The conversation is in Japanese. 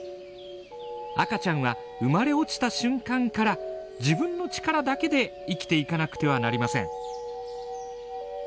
赤ちゃんは生まれ落ちた瞬間から自分の力だけで生きていかなくてはなりません。